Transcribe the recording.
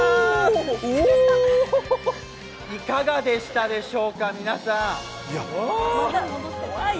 いかがでしたでしょうか、皆さん？